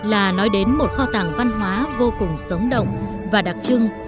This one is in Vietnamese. là nói đến một kho tàng văn hóa vô cùng sống động và đặc trưng